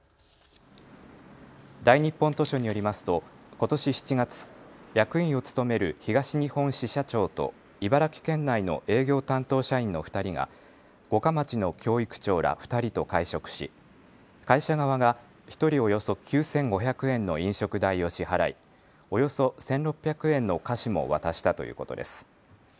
大日本図書によりますとことし７月、役員を務める東日本支社長と茨城県内の営業担当社員の２人が五霞町の教育長ら２人と会食し、会社側が１人およそ９５００円の飲食代を支払いおよそ１６００円の菓子も渡したということです。